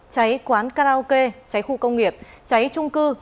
cháy quán karaoke cháy khu công nghiệp cháy trung cư